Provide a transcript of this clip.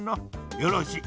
よろしい。